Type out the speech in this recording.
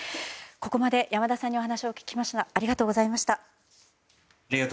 ここまで、山田さんにお話を聞きました。